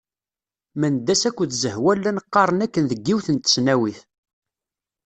Mendas akked Zehwa llan qqaren akken deg yiwet n tesnawit.